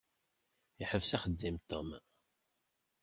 Yeḥbes axeddim Tom.